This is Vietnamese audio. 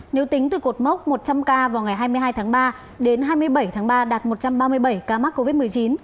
nếu tính từ cột mốc một trăm linh ca vào ngày hai mươi hai tháng ba đến hai mươi bảy tháng ba đạt một trăm ba mươi bảy ca mắc covid một mươi chín